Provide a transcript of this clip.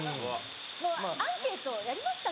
アンケートやりました？